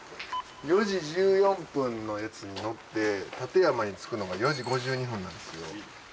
４時１４分のやつに乗って館山に着くのが４時５２分なんですよ。